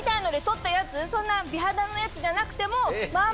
そんな美肌のやつじゃなくても。